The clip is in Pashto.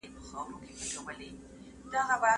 هر چا ته باید د هغه د عمل مطابق بدله ورکړل شي.